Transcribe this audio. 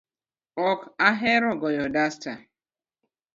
Ok ahero goyo dasta